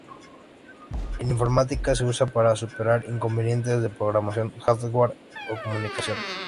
En informática se usa para superar inconvenientes de programación, hardware o comunicación.